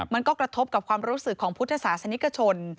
มันก็กระทบกับความรู้สึกของพุทธศาสนิกชน